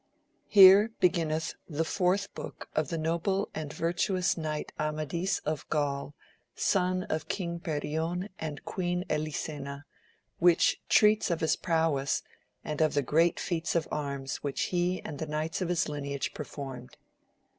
Sere beginneth the fourth book of the noble and virtuous Knight Amadis of Gtiul, Son of King Ferion and Queen Elisena, which treats of his prowess and the great feats of arms which he and the Knights of his lineage performed.